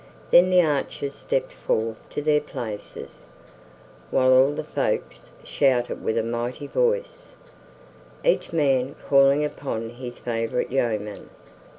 Then the archers stepped forth to their places, while all the folks shouted with a mighty voice, each man calling upon his favorite yeoman.